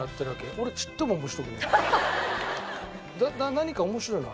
何か面白いの？